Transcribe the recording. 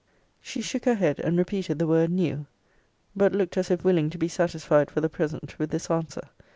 She shook her head, and repeated the word new: but looked as if willing to be satisfied for the present with this answer.